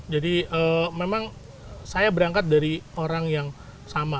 jadi memang saya berangkat dari orang yang sama